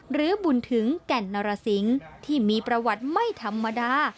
หรือบุญถึงแก่นนรสิงที่มีประวัติไม่ธรรมดา